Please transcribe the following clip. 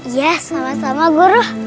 ya sama sama guru